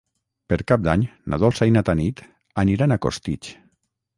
Per Cap d'Any na Dolça i na Tanit aniran a Costitx.